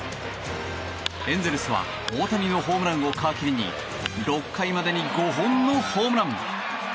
エンゼルスは大谷のホームランを皮切りに６回までに５本のホームラン。